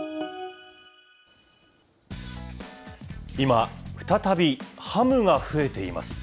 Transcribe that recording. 今、再びハムが増えています。